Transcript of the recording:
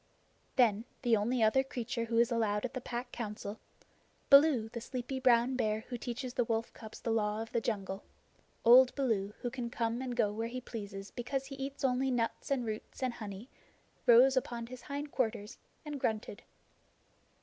Then the only other creature who is allowed at the Pack Council Baloo, the sleepy brown bear who teaches the wolf cubs the Law of the Jungle: old Baloo, who can come and go where he pleases because he eats only nuts and roots and honey rose upon his hind quarters and grunted.